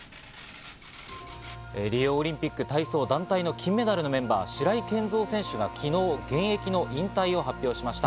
リオオリンピック体操団体の金メダルメンバー、白井健三選手が昨日、現役の引退を発表しました。